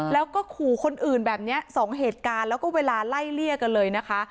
แล้วก็ขู่คนอื่นแบบนี้สองเหตุการณ์แล้วก็เวลาไล่เลี่ยกันเลยนะคะ